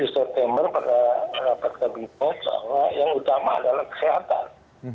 tujuh september pada rapat kabinet bahwa yang utama adalah kesehatan